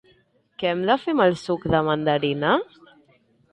Què hem de fer amb el suc de mandarina?